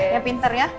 yang pinter ya